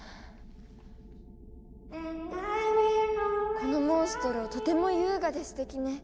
このモンストロとても優雅ですてきね。